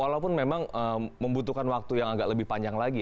walaupun memang membutuhkan waktu yang agak lebih panjang lagi